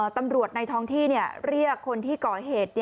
ตำรวจในท้องที่เรียกคนที่เกาะเหตุ